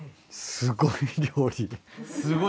すごい料理。